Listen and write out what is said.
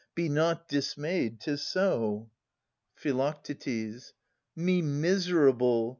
Be not dismayed ! 'Tis so. Phi. Me miserable